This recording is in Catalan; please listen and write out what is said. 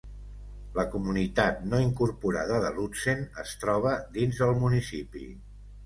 La comunitat no incorporada de Lutsen es troba dins el municipi.